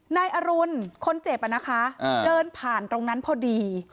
นายอรุณคนเจ็บนะคะเดินผ่านตรงนั้นพอดี